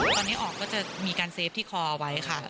ตอนนี้ออกก็จะมีการเซฟที่คอเอาไว้ค่ะ